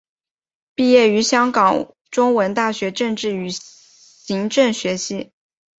毕业于香港中文大学政治与行政学系。